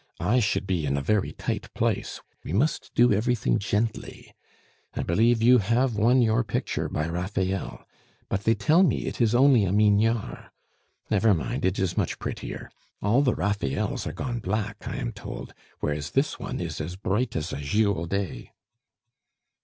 I should be in a very tight place; we must do everything gently. I believe you have won your picture by Raphael; but they tell me it is only a Mignard. Never mind, it is much prettier; all the Raphaels are gone black, I am told, whereas this one is as bright as a Girodet."